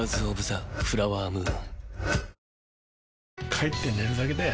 帰って寝るだけだよ